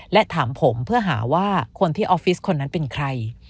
และถามผมเพื่อหาว่าคนที่ออฟฟิศคนนั้นเป็นใคร